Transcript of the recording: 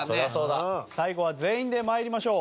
最後は全員で参りましょう。